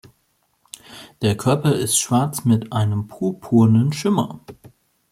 Der Körper ist schwarz mit einem purpurnen Schimmer.